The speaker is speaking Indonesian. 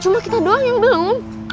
cuma kita doang yang belum